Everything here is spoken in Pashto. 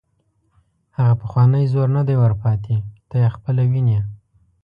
هغه پخوانی زور نه دی ور پاتې، ته یې خپله ویني.